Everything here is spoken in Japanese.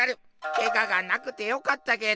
けががなくてよかったけど。